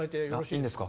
いいんですか？